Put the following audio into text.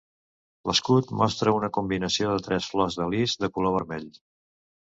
L'escut mostra una combinació de tres flors de lis de color vermell.